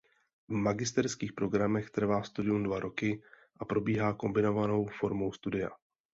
V magisterských programech trvá studium dva roky a probíhá kombinovanou formou studia.